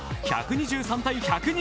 １２３対１２３。